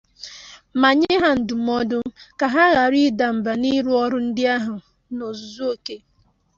ma nye ha ndụmọdụ ka ha ghara ịda mba n'ịrụ ọrụ ndị ahụ n'ozuzuoke.